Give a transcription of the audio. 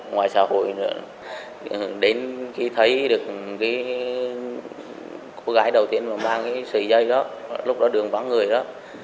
ngoài xã hội đến khi thấy được cô gái đầu tiên mà mang sợi dây đó lúc đó đường vắng người đó